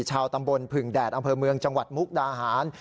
ชาวตำบลผึ่งแดดอำเภอเมืองจังหวัดมุกดาหาร